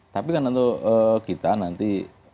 tapi kan untuk kita nanti